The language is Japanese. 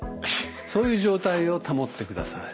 そういう状態を保ってください。